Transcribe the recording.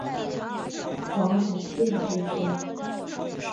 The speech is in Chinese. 王鸿渐之兄。